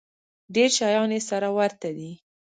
ډېر شیان یې سره ورته دي.